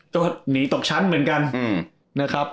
ก็หนีตกชั้นเหมือนกันนะครับ